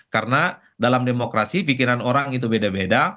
karena dalam demokrasi pikiran orang itu beda beda